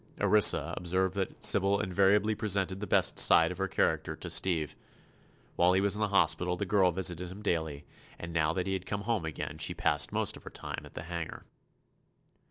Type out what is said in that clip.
Orissa observed that Sybil invariably presented the best side of her character to Steve. While he was in the hospital the girl visited him daily, and now that he had come home again she passed most of her time at the hangar.